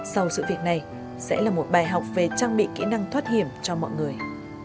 sau sự việc này sẽ là một bài học về trang bị kỹ năng thoát hiểm cho mọi người